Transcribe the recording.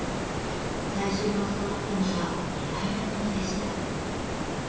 最初に教わったのは意外なものでした。